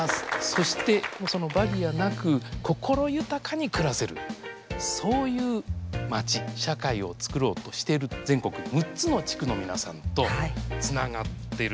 そしてそのバリアなく心豊かに暮らせるそういう町社会をつくろうとしてる全国６つの地区の皆さんとつながっているんです。